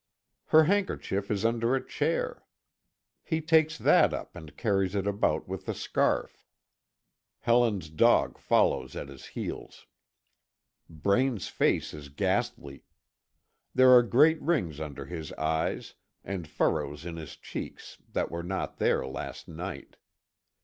Her handkerchief is under a chair. He takes that up and carries it about with the scarf. Helen's dog follows at his heels. Braine's face is ghastly. There are great rings under his eyes, and furrows in his cheeks that were not there last night.